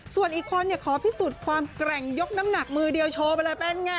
ส่วนอีกคนขอพิสูจน์ความแกร่งยกน้ำหนักมือเดียวโชว์ไปเลยเป็นไง